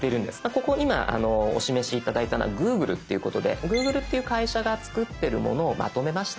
ここに今お示し頂いたのは「Ｇｏｏｇｌｅ」っていうことでＧｏｏｇｌｅっていう会社が作ってるものをまとめました。